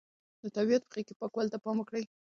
د طبیعت په غېږ کې پاکوالي ته پام وکړئ.